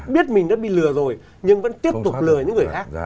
biết mình đã bị lừa rồi nhưng vẫn tiếp tục lừa những người khác